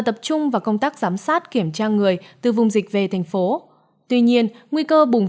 tập trung vào công tác giám sát kiểm tra người từ vùng dịch về thành phố tuy nhiên nguy cơ bùng